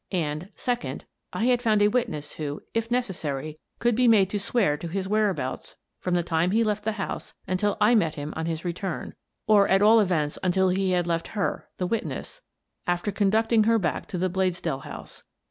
And, Second, I had found a witness who, if necessary, could be made to swear to his whereabouts from the time he left the house until I met him on his return, or at all events until he had left her — the witness — after conducting her back to the Bladesdell house.